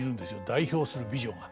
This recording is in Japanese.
代表する美女が。